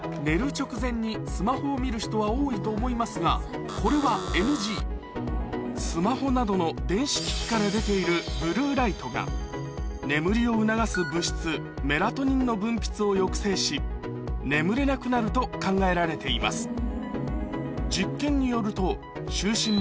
寝る直前にスマホを見る人は多いと思いますがこれはＮＧスマホなどの電子機器から出ているブルーライトが眠りを促す物質メラトニンの分泌を抑制し眠れなくなると考えられています